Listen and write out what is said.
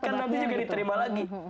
kan nabi juga diterima lagi